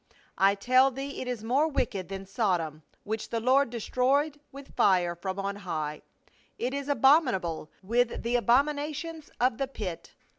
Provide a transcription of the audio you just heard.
I tell thee it is more wicked than Sodom, which the Lord de stroyed with fire from on high ; it is abominable with the abominations of the pit.